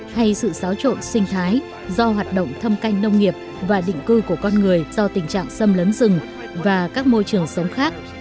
hay sự xáo trộn sinh thái do hoạt động thâm canh nông nghiệp và định cư của con người do tình trạng xâm lấn rừng và các môi trường sống khác